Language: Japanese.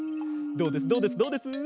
どうですどうですどうです？